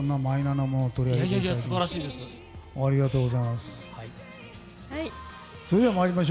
ありがとうございます。